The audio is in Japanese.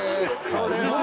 すごい。